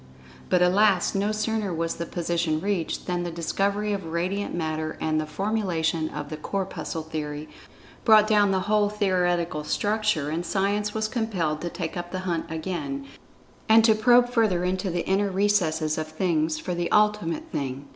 But alas! no sooner was this position reached, than the discovery of Radiant Matter and the formulation of the "Corpuscle Theory" brought down the whole theoretical structure, and Science was compelled to take up the hunt again, and to probe further into the inner recesses of Things for the Ultimate Thing.